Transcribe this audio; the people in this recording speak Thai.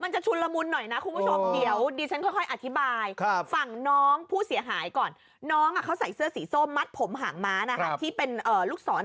ชุนละมุนหน่อยนะคุณผู้ชมเดี๋ยวดิฉันค่อยอธิบายฝั่งน้องผู้เสียหายก่อนน้องเขาใส่เสื้อสีส้มมัดผมหางม้านะคะที่เป็นลูกศร